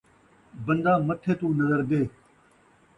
بندہ متھے توں نظردے